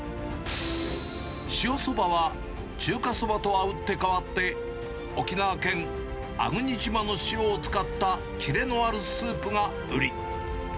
塩そばは中華そばとは打って変わって、沖縄県粟国島の塩を使ったキレのあるスープが売り。